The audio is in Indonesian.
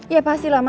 iya pastilah mama